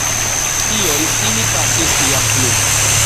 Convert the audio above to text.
Tiel ili pasis jam plu.